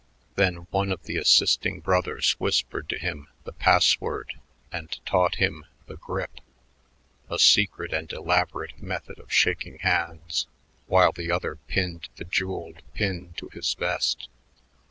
Then one of the assisting brothers whispered to him the password and taught him the "grip," a secret and elaborate method of shaking hands, while the other pinned the jeweled pin to his vest.